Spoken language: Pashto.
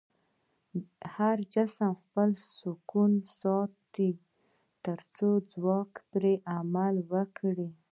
هر جسم خپل سکون ساتي تر څو ځواک پرې عمل وکړي.